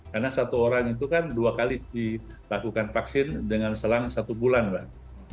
karena satu orang itu kan dua kali dilakukan vaksin dengan selang satu bulan mbak